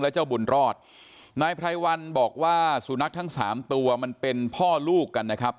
เจ้าบุญรอดนายไพรวันบอกว่าสุนัขทั้งสามตัวมันเป็นพ่อลูกกันนะครับ